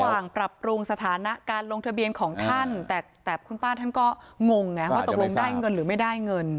ปรับปรุงสถานะการลงทะเบียนของท่านแต่คุณป้าท่านก็งงไงว่าตกลงได้เงินหรือไม่ได้เงิน